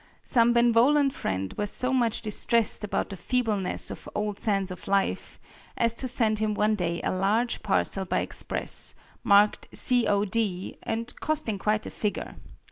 Some benevolent friend was so much distressed about the feebleness of "Old Sands of Life" as to send him one day a large parcel by express, marked "C. O. D.," and costing quite a figure.